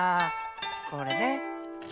これね。